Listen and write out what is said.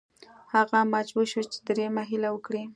هغه مجبور شو چې دریمه هیله وکړي.